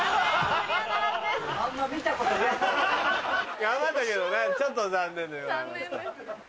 頑張ったけどねちょっと残念でございました。